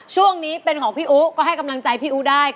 ช่วงนี้เป็นของพี่อู๋ก็ให้กำลังใจพี่อู๋ได้